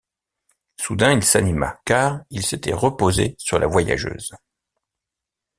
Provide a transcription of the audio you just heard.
Soudain, il s’anima, car il s’était reposé sur la voyageuse.